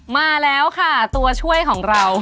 มาแล้วค่ะตัวช่วยของเรา